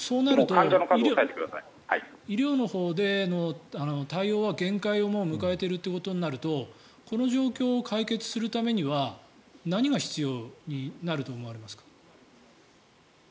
医療のほうが限界を迎えているということになるとこの状況を解決するためには何が必要になると思いますか？